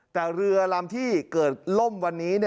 แต่เรือลำที่เกิดล่มวันนี้